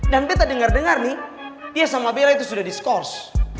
dan betta denger denger nih dia sama bella itu sudah diskors